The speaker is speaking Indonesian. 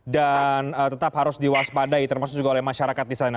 dan tetap harus diwaspadai termasuk juga oleh masyarakat di sana